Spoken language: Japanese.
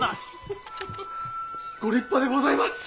ご立派でございます！